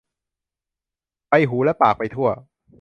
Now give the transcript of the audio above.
ใบหูและปากไปทั่ว